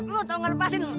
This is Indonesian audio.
lu tau gak lepasin lu